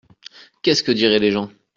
Qu’est-ce que diraient les gens !